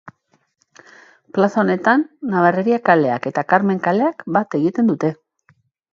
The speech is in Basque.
Plaza honetan Nabarreria kaleak eta Karmen kaleak bat egiten dute.